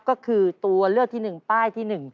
ก็คือตัวเลือกที่๑ป้ายที่๑